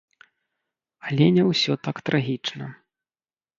Але не ўсё так трагічна.